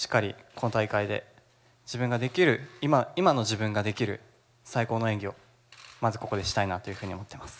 この大会で今の自分ができる最高の演技をまずここでしたいなというふうに思ってます。